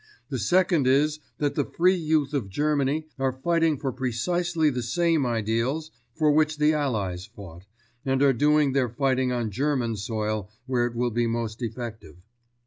The second is that the Free Youth of Germany are fighting for precisely the same ideals for which the Allies fought, and are doing their fighting on German soil where it will be most effective.